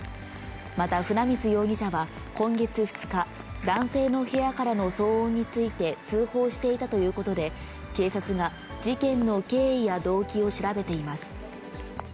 また船水容疑者は、今月２日、男性の部屋からの騒音について通報していたということで、警察が事件の経緯や動機を調べています。